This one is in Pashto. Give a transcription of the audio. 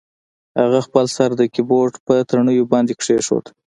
هغه خپل سر د کیبورډ په تڼیو باندې کیښود